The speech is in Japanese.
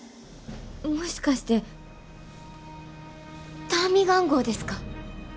もしかしてターミガン号ですか？